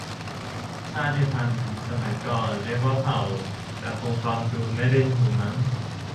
ชาติพันธุ์ สมัยก่อนเรียกว่าเผ่า แต่คงฟังดูไม่รื่นหูมั้ง